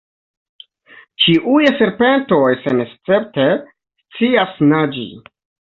Ĉiuj serpentoj senescepte scias naĝi.